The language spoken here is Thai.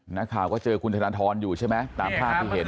นักข่าวก็เจอคุณธนทรอยู่ใช่ไหมตามภาพที่เห็น